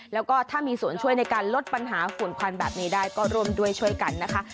แล้วก็ถ้ามีส่วนช่วยในการลดปัญหาฝุ่นควันแบบนี้ได้ก็ร่วมด้วยช่วยกันนะคะ